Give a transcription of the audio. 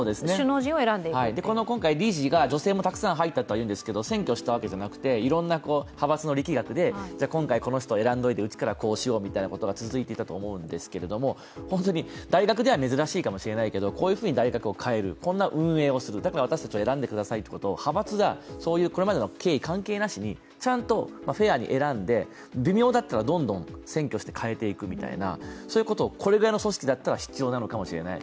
今回理事が女性もたくさん入ったというわけですが、選挙したわけじゃなくていろんは派閥の力学でじゃあ今回この人選んで、内からこうしようということが起きていたと思うんですけど大学では珍しいかもしれないけど、こういうふうに大学を変える、こんな運営をする、だから私たちを選んでくださいって派閥やこれまでの経緯関係なしにちゃんとフェアに選んで、微妙だったらどんどん選挙して変えていくということをそういうことを、これぐらいの組織だったら必要なのかもしれない。